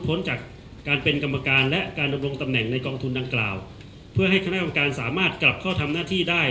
พ้นจากการเป็นกรรมการและการดำรงตำแหน่งในกองทุนดังกล่าวเพื่อให้คณะกรรมการสามารถกลับเข้าทำหน้าที่ได้